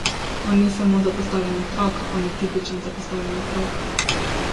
On ni samo zapostavljen otrok, on je tipičen zapostavljen otrok.